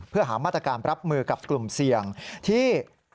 เพื่อหามาตรการรับมือกับกลุ่มเสี่ยงที่